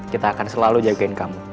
kita akan selalu jagain kamu